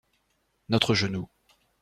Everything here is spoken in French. Notre genou.